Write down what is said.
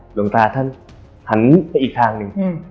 หลวงตาท่านหันไปอีกทางหนึ่ง